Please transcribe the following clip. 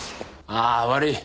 ああ悪い。